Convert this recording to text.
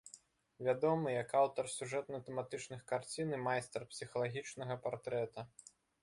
Вядомы, як аўтар сюжэтна-тэматычных карцін і майстар псіхалагічнага партрэта.